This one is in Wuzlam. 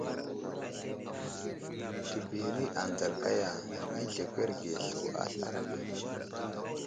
Təbiri anzal kaya, nəzlekwerge slu a aslar age.